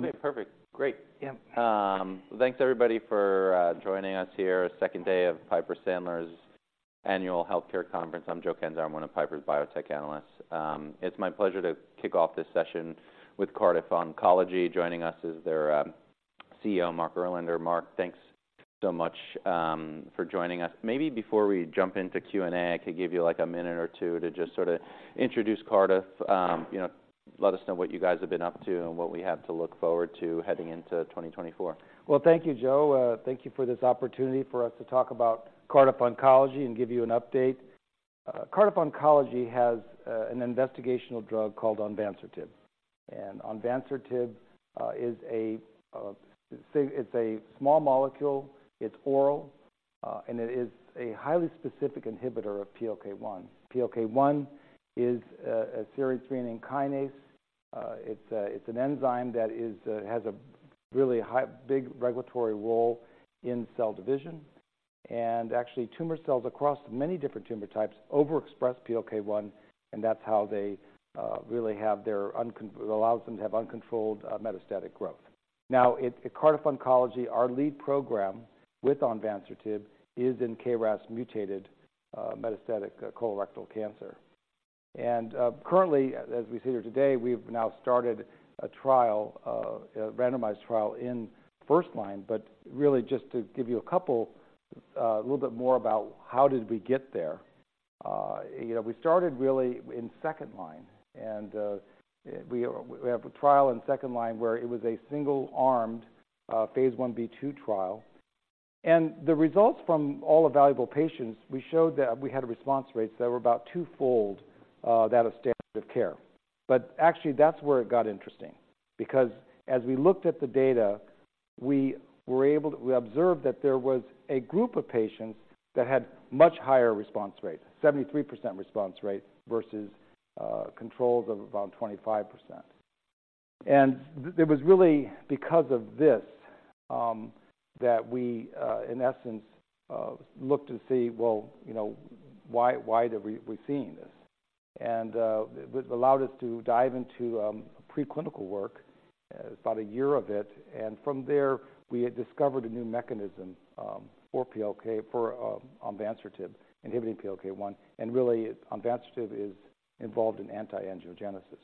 Okay, perfect. Great. Yeah. Thanks everybody for joining us here. Second day of Piper Sandler's Annual Healthcare Conference. I'm Joe Catanzaro, I'm one of Piper's biotech analysts. It's my pleasure to kick off this session with Cardiff Oncology. Joining us is their CEO, Mark Erlander. Mark, thanks so much for joining us. Maybe before we jump into Q&A, I could give you, like, a minute or two to just sort of introduce Cardiff. You know, let us know what you guys have been up to and what we have to look forward to heading into 2024. Well, thank you, Joe. Thank you for this opportunity for us to talk about Cardiff Oncology and give you an update. Cardiff Oncology has an investigational drug called onvansertib. And onvansertib is a small molecule, it's oral, and it is a highly specific inhibitor of PLK1. PLK1 is a serine/threonine kinase. It's an enzyme that has a really high, big regulatory role in cell division, and actually tumor cells across many different tumor types overexpress PLK1, and that's how they really have their uncon... It allows them to have uncontrolled metastatic growth. Now, at Cardiff Oncology, our lead program with onvansertib is in KRAS-mutated metastatic colorectal cancer. And currently, as we sit here today, we've now started a trial, a randomized trial in first line. But really, just to give you a couple, a little bit more about how did we get there? You know, we started really in second line, and we have a trial in second line where it was a single-armed, phase I/II trial. And the results from all available patients, we showed that we had response rates that were about twofold that of standard of care. But actually, that's where it got interesting. Because as we looked at the data, we were able to - we observed that there was a group of patients that had much higher response rate, 73% response rate versus controls of about 25%. And it was really because of this that we in essence looked to see, well, you know, why do we seeing this? It allowed us to dive into preclinical work, about a year of it, and from there, we had discovered a new mechanism for onvansertib inhibiting PLK1, and really, onvansertib is involved in anti-angiogenesis.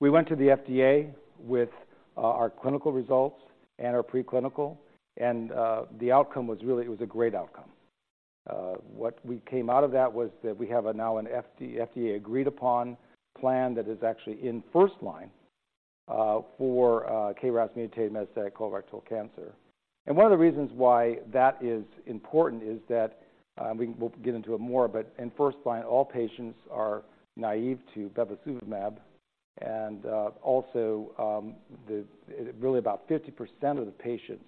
We went to the FDA with our clinical results and our preclinical, and the outcome was really. It was a great outcome. What we came out of that was that we have now an FDA agreed upon plan that is actually in first line for KRAS-mutated metastatic colorectal cancer. One of the reasons why that is important is that we'll get into it more, but in first line, all patients are naive to bevacizumab, and also, really about 50% of the patients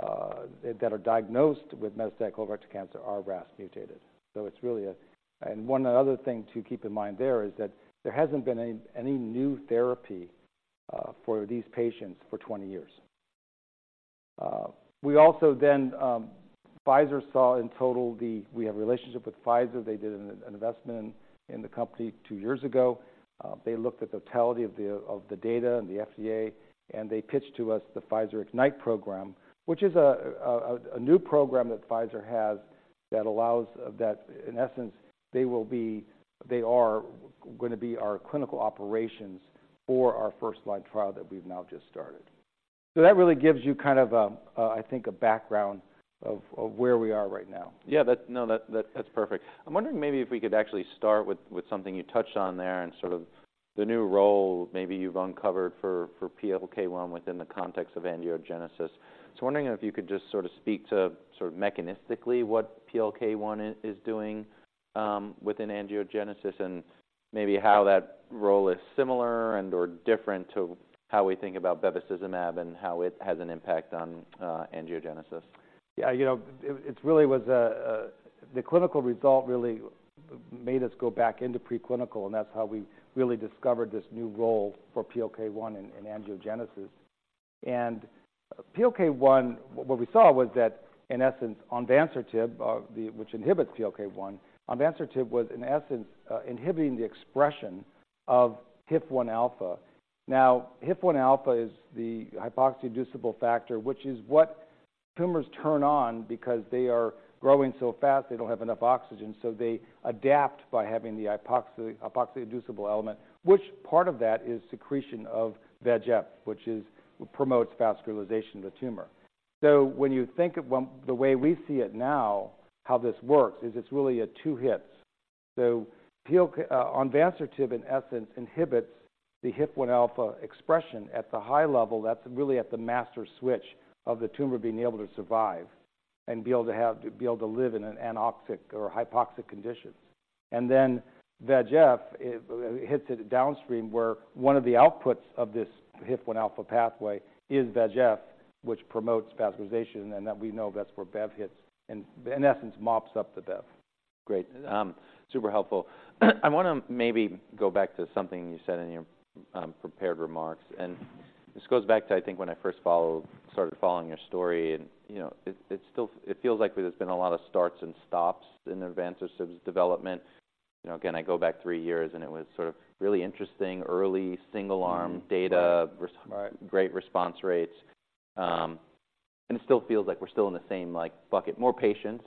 that are diagnosed with metastatic colorectal cancer are RAS-mutated. So it's really. And one other thing to keep in mind there is that there hasn't been any new therapy for these patients for 20 years. We also then, we have a relationship with Pfizer. They did an investment in the company two years ago. They looked at the totality of the data and the FDA, and they pitched to us the Pfizer Ignite program, which is a new program that Pfizer has that allows, that in essence, they will be they are gonna be our clinical operations for our first line trial that we've now just started. So that really gives you kind of, I think, a background of where we are right now. Yeah, that's perfect. I'm wondering maybe if we could actually start with something you touched on there and sort of the new role maybe you've uncovered for PLK1 within the context of angiogenesis. So I'm wondering if you could just sort of speak to sort of mechanistically what PLK1 is doing within angiogenesis, and maybe how that role is similar and/or different to how we think about bevacizumab and how it has an impact on angiogenesis. Yeah, you know, it really was a... The clinical result really made us go back into preclinical, and that's how we really discovered this new role for PLK1 in angiogenesis. And PLK1, what we saw was that, in essence, onvansertib, which inhibits PLK1, onvansertib was, in essence, inhibiting the expression of HIF-1α. Now, HIF-1α is the hypoxia-inducible factor, which is what tumors turn on because they are growing so fast, they don't have enough oxygen, so they adapt by having the hypoxia-inducible element, which part of that is secretion of VEGF, which promotes vascularization of the tumor. So when you think of them, the way we see it now, how this works is it's really a two hits. So PLK, onvansertib in essence inhibits the HIF-1α expression at the high level, that's really at the master switch of the tumor being able to survive and be able to live in an anoxic or hypoxic conditions. And then VEGF, it hits it downstream, where one of the outputs of this HIF-1α pathway is VEGF, which promotes vascularization, and that we know that's where Bev hits and, in essence, mops up the Bev. Great. Super helpful. I wanna maybe go back to something you said in your prepared remarks, and this goes back to, I think, when I first started following your story, and, you know, it still feels like there's been a lot of starts and stops in onvansertib's development. You know, again, I go back three years, and it was sort of really interesting, early single-arm data. Right. Great response rates. And it still feels like we're still in the same, like, bucket. More patients.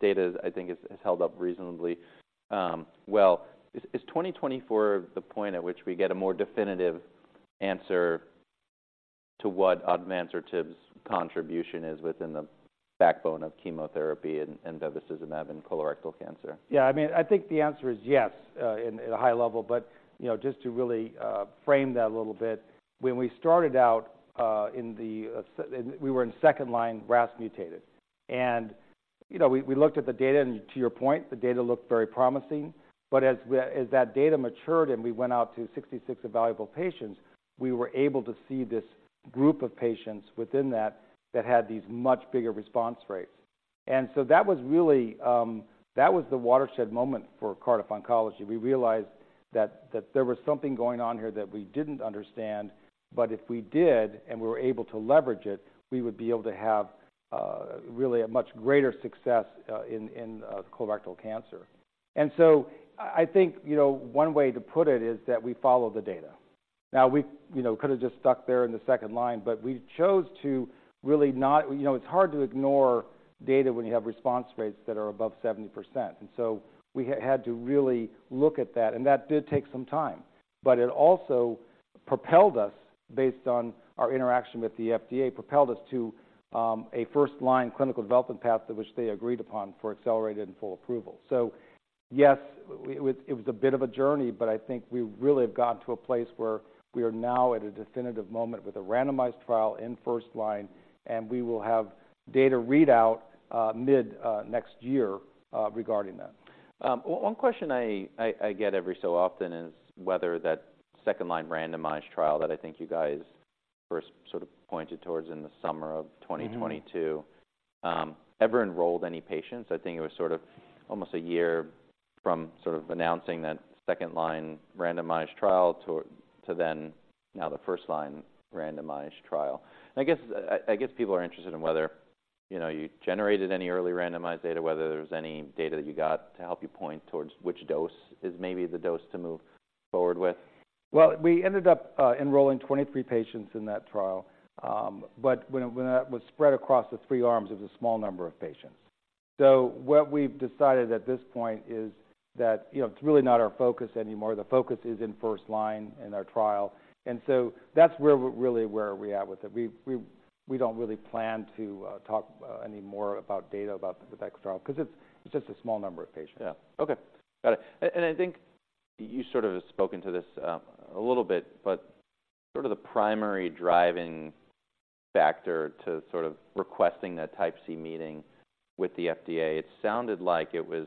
Data, I think, has held up reasonably well. Is 2024 the point at which we get a more definitive answer to what onvansertib's contribution is within the backbone of chemotherapy and bevacizumab in colorectal cancer? Yeah, I mean, I think the answer is yes, in at a high level. But you know, just to really frame that a little bit, when we started out, we were in second-line RAS-mutated. And you know, we, we looked at the data, and to your point, the data looked very promising. But as that data matured and we went out to 66 evaluable patients, we were able to see this group of patients within that, that had these much bigger response rates. And so that was really. That was the watershed moment for Cardiff Oncology. We realized that, that there was something going on here that we didn't understand, but if we did and we were able to leverage it, we would be able to have really a much greater success in colorectal cancer. I think, you know, one way to put it is that we follow the data. Now, we, you know, could have just stuck there in the second line, but we chose to really not. You know, it's hard to ignore data when you have response rates that are above 70%. We had to really look at that, and that did take some time. But it also propelled us, based on our interaction with the FDA, propelled us to a first-line clinical development path that which they agreed upon for accelerated and full approval. So yes, it was a bit of a journey, but I think we really have gotten to a place where we are now at a definitive moment with a randomized trial in first line, and we will have data readout mid next year regarding that. One question I get every so often is whether that second-line randomized trial that I think you guys first sort of pointed towards in the summer of 2022 ever enrolled any patients? I think it was sort of almost a year from sort of announcing that second-line randomized trial to then now the first-line randomized trial. I guess people are interested in whether, you know, you generated any early randomized data, whether there's any data that you got to help you point towards which dose is maybe the dose to move forward with. Well, we ended up enrolling 23 patients in that trial. But when that was spread across the three arms, it was a small number of patients. So what we've decided at this point is that, you know, it's really not our focus anymore. The focus is in first line in our trial, and so that's where we're really at with it. We don't really plan to talk any more about data about the Bev trial because it's just a small number of patients. Yeah. Okay, got it. And I think you sort of have spoken to this, a little bit, but sort of the primary driving factor to sort of requesting that Type C meeting with the FDA, it sounded like it was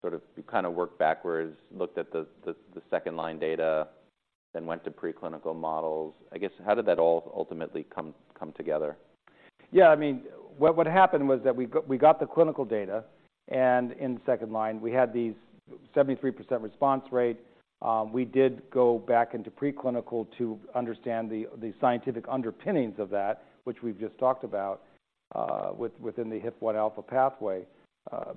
sort of... You kind of worked backwards, looked at the second-line data, then went to preclinical models. I guess, how did that all ultimately come together? Yeah, I mean, what happened was that we got the clinical data, and in the second line, we had these 73% response rate. We did go back into preclinical to understand the scientific underpinnings of that, which we've just talked about within the HIF-1α pathway.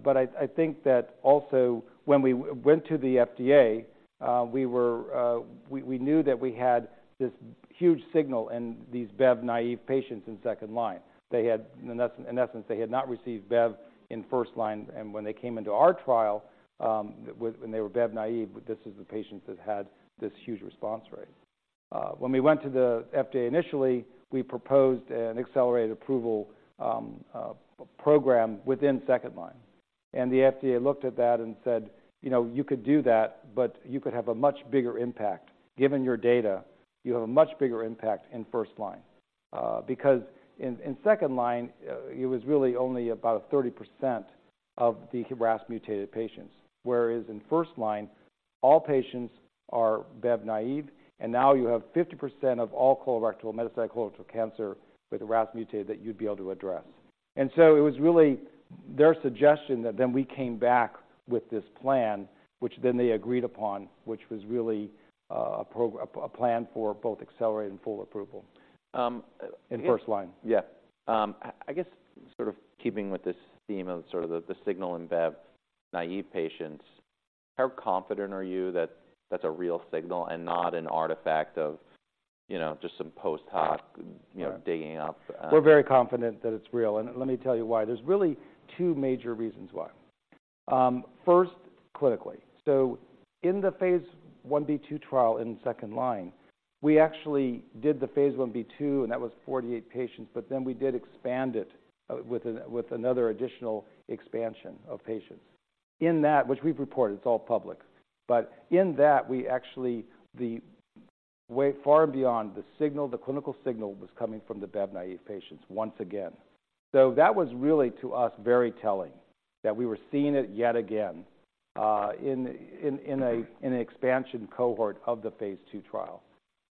But I think that also when we went to the FDA, we knew that we had this huge signal in these bev-naïve patients in second line. They had, in essence, they had not received bev in first line, and when they came into our trial, when they were bev-naïve, this is the patients that had this huge response rate. When we went to the FDA initially, we proposed an accelerated approval program within second line. The FDA looked at that and said, "You know, you could do that, but you could have a much bigger impact. Given your data, you have a much bigger impact in first line." Because in second line, it was really only about 30% of the RAS-mutated patients, whereas in first line, all patients are bev-naïve, and now you have 50% of all colorectal, metastatic colorectal cancer with the RAS-mutated that you'd be able to address. And so it was really their suggestion that then we came back with this plan, which then they agreed upon, which was really a plan for both accelerated and full approval in first line. Yeah. I guess, sort of keeping with this theme of sort of the signal in bev-naïve patients, how confident are you that that's a real signal and not an artifact of, you know, just some post-hoc, you know, digging up? We're very confident that it's real, and let me tell you why. There's really two major reasons why. First, clinically. So in the phase 1b/2 trial, in second-line, we actually did the phase 1b/2, and that was 48 patients, but then we did expand it with another additional expansion of patients. In that, which we've reported, it's all public, but in that, we actually, the clinical signal was coming from the bev-naïve patients once again. So that was really, to us, very telling, that we were seeing it yet again in an expansion cohort of the phase 2 trial.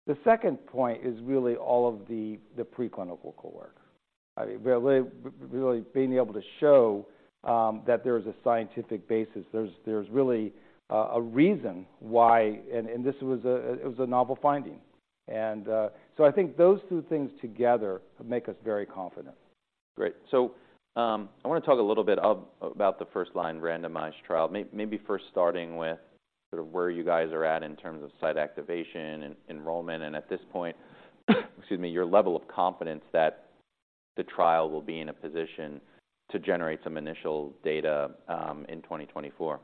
The second point is really all of the, the preclinical core. I mean, really, really being able to show that there is a scientific basis, there's really a reason why, This was a novel finding. So I think those two things together make us very confident.... Great. So, I want to talk a little bit about the first line randomized trial. Maybe first starting with sort of where you guys are at in terms of site activation and enrollment, and at this point, excuse me, your level of confidence that the trial will be in a position to generate some initial data, in 2024?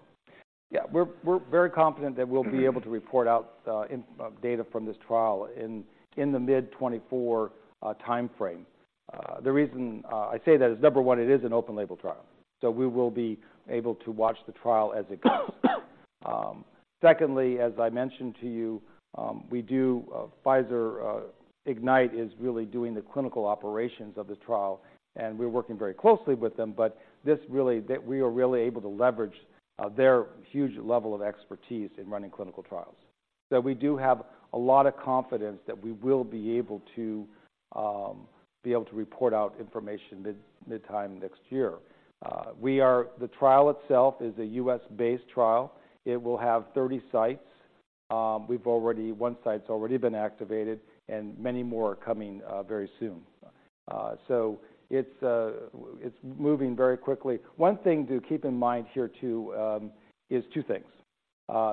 Yeah, we're very confident that we'll be able to report out in data from this trial in the mid-2024 timeframe. The reason I say that is, number one, it is an open-label trial, so we will be able to watch the trial as it goes. Secondly, as I mentioned to you, Pfizer Ignite is really doing the clinical operations of the trial, and we're working very closely with them, but this really, that we are really able to leverage their huge level of expertise in running clinical trials. So we do have a lot of confidence that we will be able to report out information mid-time next year. The trial itself is a U.S.-based trial. It will have 30 sites. We've already, One site's already been activated, and many more are coming very soon. So it's moving very quickly. One thing to keep in mind here, too, is two things.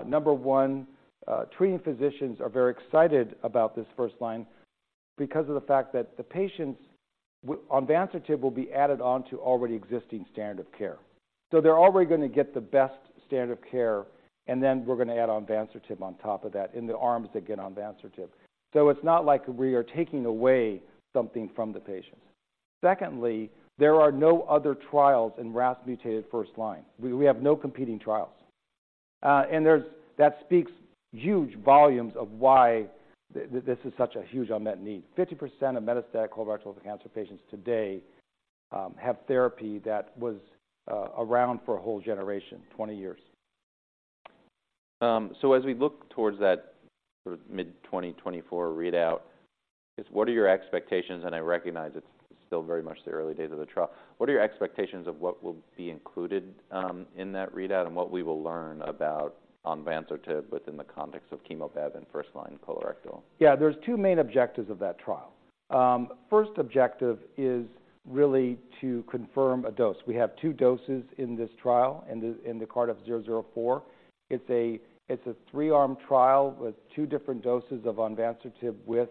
Number one, treating physicians are very excited about this first-line because of the fact that the patients onvansertib will be added on to already existing standard care. So they're already going to get the best standard of care, and then we're going to add onvansertib on top of that in the arms that get onvansertib. So it's not like we are taking away something from the patients. Secondly, there are no other trials in RAS-mutated first-line. We have no competing trials. And that speaks huge volumes of why this is such a huge unmet need. 50% of metastatic colorectal cancer patients today have therapy that was around for a whole generation, 20 years. So as we look towards that sort of mid-2024 readout, is what are your expectations, and I recognize it's still very much the early days of the trial. What are your expectations of what will be included, in that readout and what we will learn about onvansertib within the context of chemo/bev and first-line colorectal? Yeah, there's two main objectives of that trial. First objective is really to confirm a dose. We have two doses in this trial, in the CRDF-004. It's a three-arm trial with two different doses of onvansertib with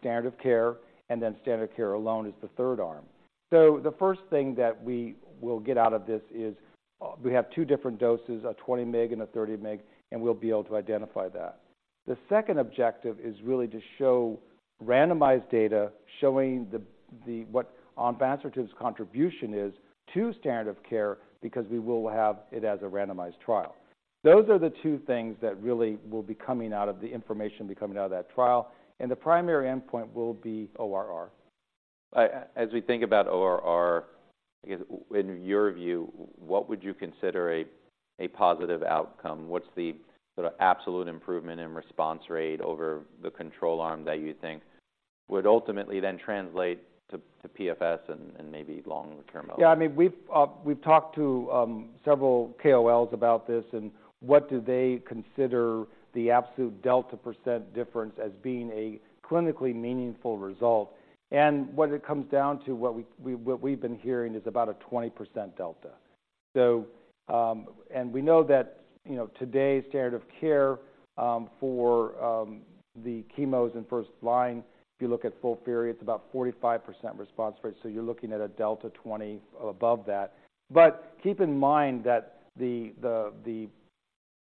standard of care, and then standard care alone is the third arm. So the first thing that we will get out of this is we have two different doses, a 20 mg and a 30 mg, and we'll be able to identify that. The second objective is really to show randomized data showing what onvansertib's contribution is to standard of care because we will have it as a randomized trial. Those are the two things that really will be coming out of the information, be coming out of that trial, and the primary endpoint will be ORR. As we think about ORR, I guess, in your view, what would you consider a positive outcome? What's the sort of absolute improvement in response rate over the control arm that you think would ultimately then translate to PFS and maybe long-term health? Yeah, I mean, we've talked to several KOLs about this and what do they consider the absolute delta percent difference as being a clinically meaningful result. And when it comes down to what we've been hearing is about a 20% delta. So, and we know that, you know, today's standard of care for the chemos in first line, if you look at FOLFIRI, it's about 45% response rate, so you're looking at a delta 20 above that. But keep in mind that the...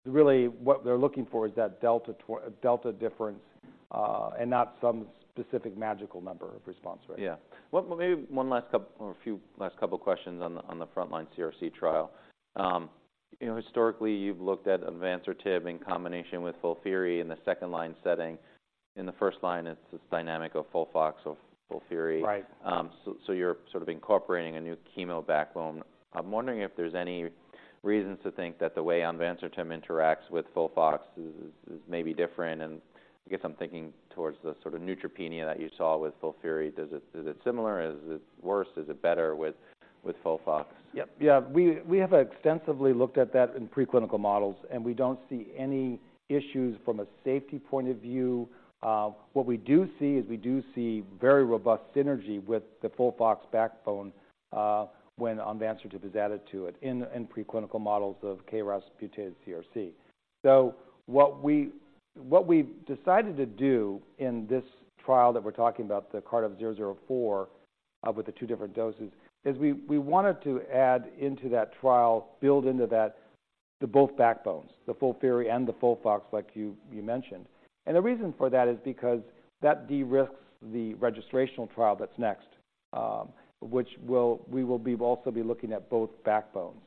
Really what we're looking for is that delta difference, and not some specific magical number of response rate. Yeah. Well, maybe one last or a few last couple questions on the frontline CRC trial. You know, historically, you've looked at onvansertib in combination with FOLFIRI in the second-line setting. In the first-line, it's this dynamic of FOLFOX, of FOLFIRI. Right. So, you're sort of incorporating a new chemo backbone. I'm wondering if there's any reasons to think that the way onvansertib interacts with FOLFOX is maybe different, and I guess I'm thinking toward the sort of neutropenia that you saw with FOLFIRI. Is it similar? Is it worse? Is it better with FOLFOX? Yep. Yeah, we have extensively looked at that in preclinical models, and we don't see any issues from a safety point of view. What we do see is we do see very robust synergy with the FOLFOX backbone, when onvansertib is added to it in preclinical models of KRAS-mutated CRC. So what we've decided to do in this trial that we're talking about, the CRDF-004, with the two different doses, is we wanted to add into that trial, build into that, the both backbones, the FOLFIRI and the FOLFOX, like you mentioned. And the reason for that is because that de-risks the registrational trial that's next, which will also be looking at both backbones.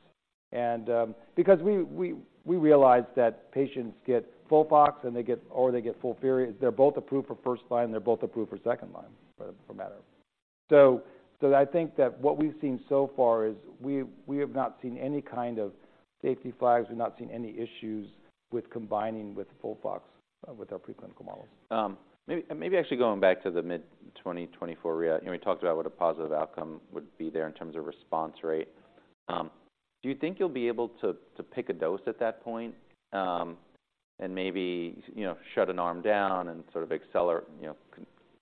And because we realize that patients get FOLFOX, and they get, or they get FOLFIRI, they're both approved for first line, they're both approved for second line, for that matter. So I think that what we've seen so far is we have not seen any kind of safety flags. We've not seen any issues with combining with FOLFOX with our preclinical models. Maybe actually going back to the mid-2024 readout, you know, we talked about what a positive outcome would be there in terms of response rate. Do you think you'll be able to pick a dose at that point, and maybe, you know, shut an arm down and sort of accelerate, you know,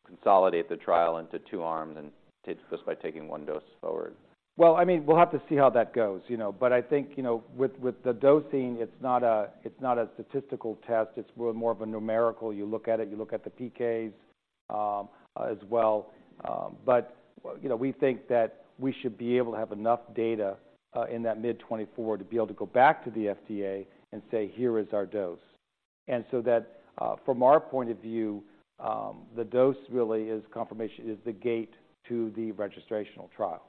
consolidate the trial into two arms, and take just by taking one dose forward? Well, I mean, we'll have to see how that goes, you know? But I think, you know, with, with the dosing, it's not a, it's not a statistical test. It's more of a numerical. You look at it, you look at the PKs, as well. But, you know, we think that we should be able to have enough data, in that mid 2024 to be able to go back to the FDA and say, "Here is our dose." And so that, from our point of view, the dose really is confirmation, is the gate to the registrational trial.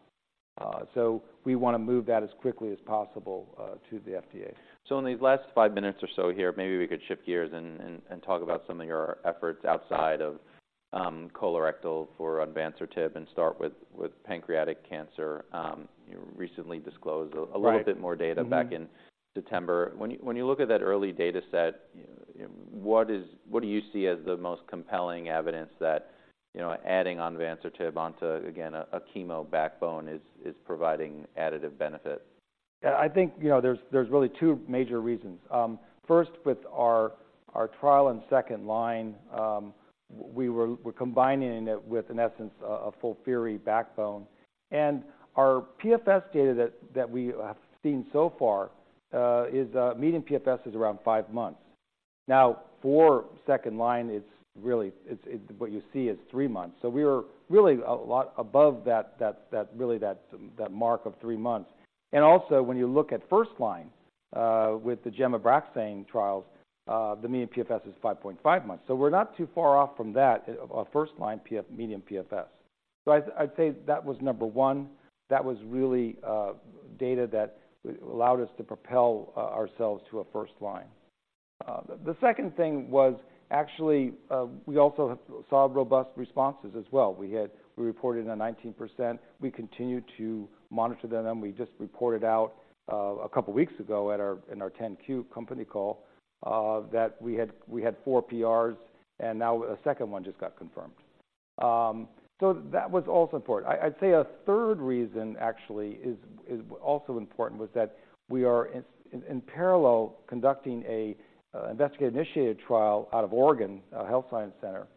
So we wanna move that as quickly as possible, to the FDA. So in these last five minutes or so here, maybe we could shift gears and talk about some of your efforts outside of colorectal for onvansertib, and start with pancreatic cancer. You recently disclosed, Right.... a little bit more data, Mm-hmm. Back in September. When you look at that early data set, what do you see as the most compelling evidence that, you know, adding onvansertib onto, again, a chemo backbone is providing additive benefit? Yeah, I think, you know, there's really two major reasons. First, with our trial in second line, we were combining it with, in essence, a full FOLFIRI backbone. And our PFS data that we have seen so far is median PFS is around 5 months. Now, for second line, it's really what you see is 3 months. So we're really a lot above that mark of 3 months. And also, when you look at first line, with the gemcitabine trials, the median PFS is 5.5 months. So we're not too far off from that of our first-line median PFS. So I'd say that was number one. That was really data that allowed us to propel ourselves to a first line. The second thing was actually, we also have seen robust responses as well. We reported a 19%. We continued to monitor them, and we just reported out, a couple of weeks ago in our 10-Q company call, that we had four PRs, and now a second one just got confirmed. So that was also important. I'd say a third reason actually is also important, was that we are in parallel, conducting a investigator-initiated trial out of Oregon Health & Science University.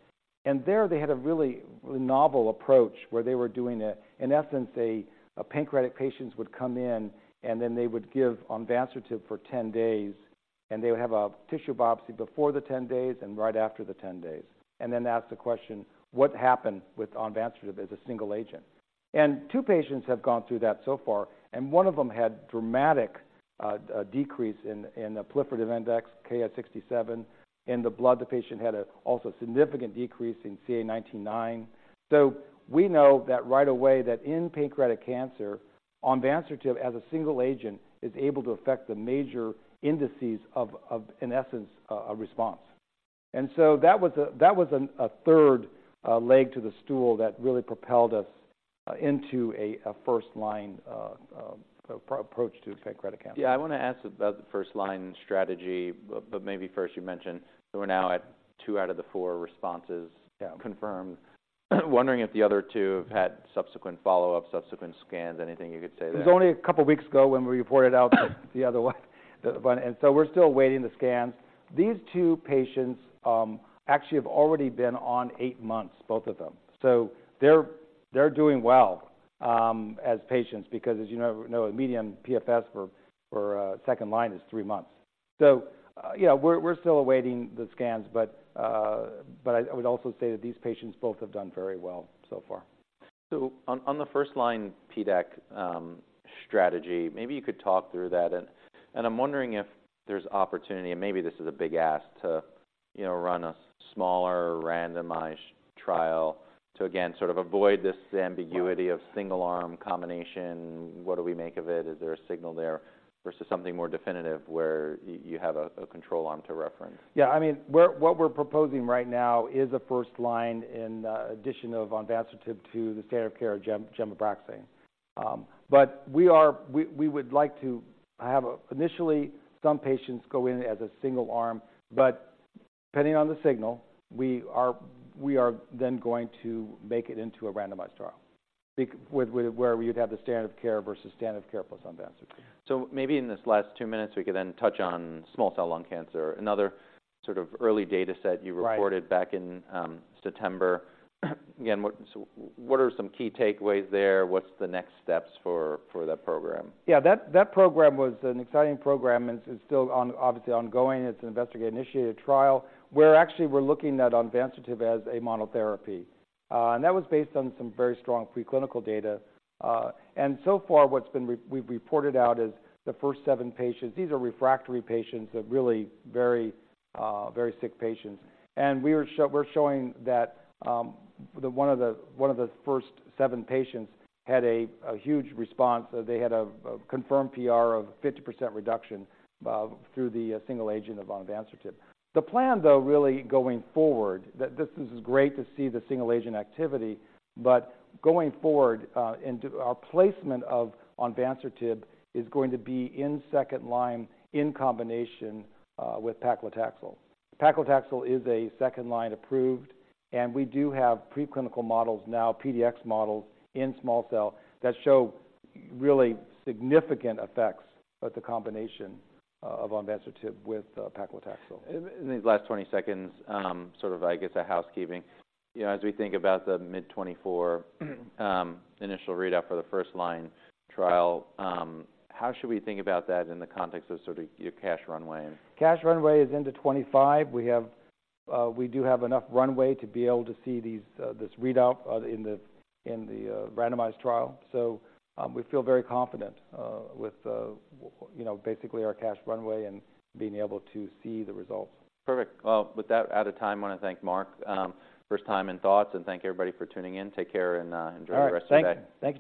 And there, they had a really novel approach where they were doing, in essence, pancreatic patients would come in, and then they would give onvansertib for 10 days, and they would have a tissue biopsy before the 10 days and right after the 10 days. And then ask the question: What happened with onvansertib as a single agent? And two patients have gone through that so far, and one of them had dramatic decrease in the proliferative index, Ki-67, in the blood. The patient had also significant decrease in CA 19-9. So we know that right away, that in pancreatic cancer, onvansertib, as a single agent, is able to affect the major indices of, in essence, a response. And so that was a third leg to the stool that really propelled us into a first-line approach to pancreatic cancer. Yeah, I want to ask about the first-line strategy, but maybe first, you mentioned that we're now at two out of the four responses, Yeah. Confirmed. Wondering if the other two have had subsequent follow-ups, subsequent scans, anything you could say there? It was only a couple weeks ago when we reported out the other one. So we're still awaiting the scans. These two patients, actually, have already been on 8 months, both of them. So they're doing well, as patients, because as you know, a median PFS for second line is three months. So, yeah, we're still awaiting the scans, but I would also say that these patients both have done very well so far. On the first-line PDAC strategy, maybe you could talk through that. I'm wondering if there's opportunity, and maybe this is a big ask, to you know, run a smaller, randomized trial to again, sort of avoid this ambiguity of single-arm combination. What do we make of it? Is there a signal there versus something more definitive where you have a control arm to reference? Yeah, I mean, what we're proposing right now is a first line in the addition of onvansertib to the standard care of gemcitabine. But we would like to have, initially, some patients go in as a single arm, but depending on the signal, we are then going to make it into a randomized trial, where we'd have the standard of care versus standard of care plus onvansertib. So maybe in these last two minutes, we could then touch on small cell lung cancer, another sort of early data set you, Right.... reported back in September. Again, what are some key takeaways there? What's the next steps for that program? Yeah, that program was an exciting program and it's still ongoing. Obviously, it's an investigator-initiated trial, where actually we're looking at onvansertib as a monotherapy. And that was based on some very strong preclinical data. And so far, what's been reported out is the first seven patients. These are refractory patients, so really very sick patients. And we are showing that one of the first seven patients had a huge response. They had a confirmed PR of 50% reduction through the single agent of onvansertib. The plan, though, really going forward, that this is great to see the single-agent activity, but going forward, our placement of onvansertib is going to be in second line, in combination, with paclitaxel. Paclitaxel is a second-line approved, and we do have preclinical models now, PDX models, in small cell that show really significant effects of the combination, of onvansertib with paclitaxel. In these last 20 seconds, sort of, I guess, a housekeeping. You know, as we think about the mid-2024 initial readout for the first-line trial, how should we think about that in the context of sort of your cash runway? Cash runway is into 2025. We have, we do have enough runway to be able to see these, this readout in the randomized trial. So, we feel very confident with, you know, basically our cash runway and being able to see the results. Perfect. Well, with that, out of time, I want to thank Mark, first time and thoughts, and thank everybody for tuning in. Take care and enjoy the rest of the day. All right. Thank you. Thank you, Joe.